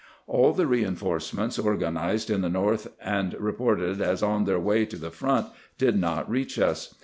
All the reinforcements organized in the North and reported as on their way to the front did not reach us.